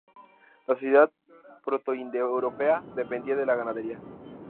La sociedad protoindoeuropea dependía de la ganadería.